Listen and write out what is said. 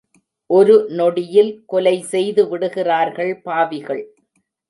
ஒரு நொடியில் கொலை செய்து விடுகிறார்கள் பாவிகள்.